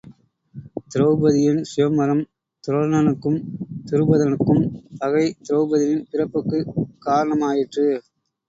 திரெளபதியின் சுயம்வரம் துரோணனுக்கும் துருபதனுக்கும் பகை திரெளபதியின் பிறப்புக்குக் காரணம் ஆயிற்று.